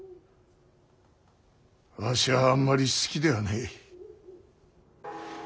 わしはあんまり好きではねえ。